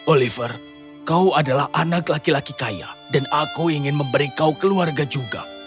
oliver kau adalah anak laki laki kaya dan aku ingin memberi kau keluarga juga